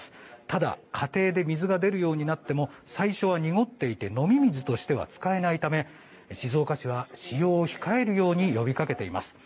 ただ、家庭で水が出るようになっても最初は濁っていて飲み水としては使えないため静岡市は使用を控えるように呼びかけています。